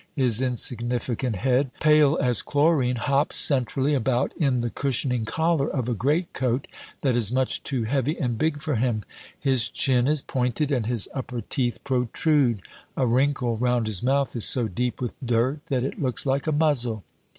His insignificant head, pale as chlorine, hops centrally about in the cushioning collar of a greatcoat that is much too heavy and big for him. His chin is pointed, and his upper teeth protrude. A wrinkle round his mouth is so deep with dirt that it looks like a muzzle.